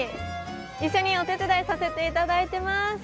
一緒にお手伝いさせていただいています。